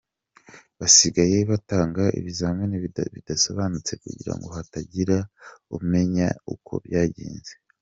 Basigaye batanga ibizamini bidasobanutse kugirango hatagira umenya uko byagenze.